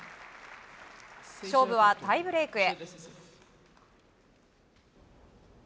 勝負はタイブレークへ。